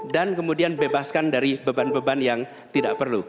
dan kemudian bebaskan dari beban beban yang tidak perlu